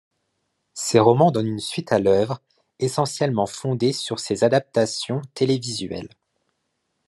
Ces romans donnent une suite à l'œuvre, essentiellement fondée sur ses adaptations télévisuelles.